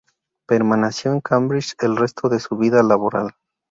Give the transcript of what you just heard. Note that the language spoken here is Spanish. Permaneció en Cambridge el resto de su vida laboral.